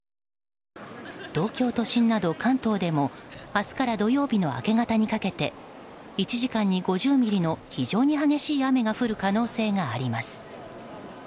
東京都心など関東でも明日から土曜日の明け方にかけて１時間に５０ミリの非常に激しい雨が降る可能性があります。